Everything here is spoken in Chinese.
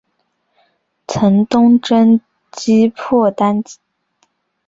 曾东征击破契丹。